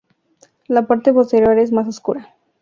La parte posterior es más oscuro.